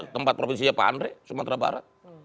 tempat provinsinya pak andre sumatera barat